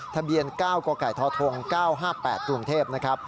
ทะเบียน๙กกท๙๕๘กรุงเทพฯ